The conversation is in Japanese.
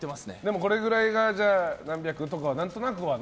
これぐらいが何百とかなんとなくはね。